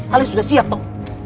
ale sudah siap tau